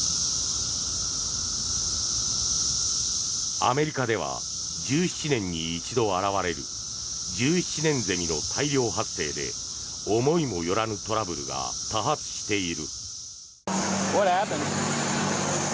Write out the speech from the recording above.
アメリカでは１７年に一度現れる１７年ゼミの大量発生で思いもよらぬトラブルが多発している。